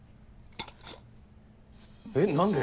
えっ何で？